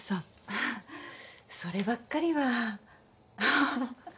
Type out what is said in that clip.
あっそればっかりは。